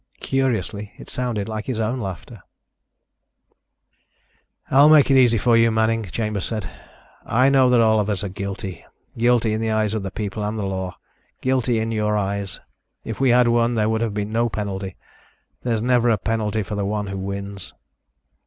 Curiously, it sounded like his own laughter.... "I'll make it easy for you, Manning," Chambers said. "I know that all of us are guilty. Guilty in the eyes of the people and the law. Guilty in your eyes. If we had won, there would have been no penalty. There's never a penalty for the one who wins."